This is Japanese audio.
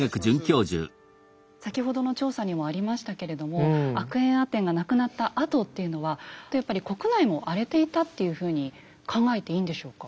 先ほどの調査にもありましたけれどもアクエンアテンが亡くなったあとっていうのはやっぱり国内も荒れていたっていうふうに考えていいんでしょうか？